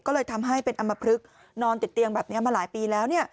ก็เลยทำให้เป็นอำมพลึกนอนติดเตียงแบบนี้มาหลายปีแล้ว